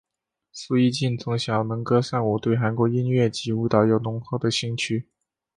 苏一晋从小能歌善舞对韩国音乐及舞蹈有浓厚的兴趣。